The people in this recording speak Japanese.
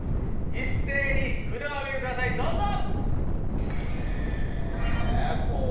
一斉に札を上げてくださいどうぞ！